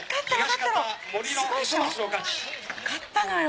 勝ったのよ。